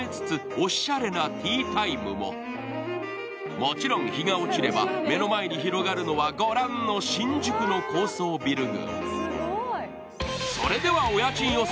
もちろん、日が落ちれば目の前に広がるのはご覧の新宿の高層ビル群。